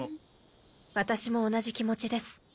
ワタシも同じ気持ちです。